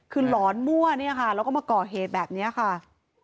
คือหลอนมั่วเนี่ยค่ะแล้วก็มาก่อเหตุแบบนี้ค่ะ